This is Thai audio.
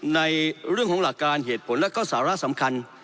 ในเรื่องของหลักการเหตุผลและก็สาระสำคัญ